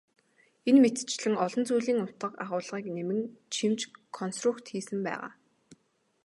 Энэ мэтчилэн олон зүйлийн утга агуулгыг нэмэн чимж консрукт хийсэн байгаа.